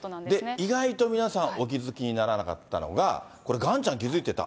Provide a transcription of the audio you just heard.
意外と皆さん、お気付きにならなかったのが、これ、ガンちゃん、気付いてた？